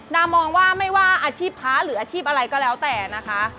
มองว่าไม่ว่าอาชีพพระหรืออาชีพอะไรก็แล้วแต่นะคะ